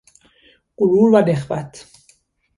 غرور و نخوت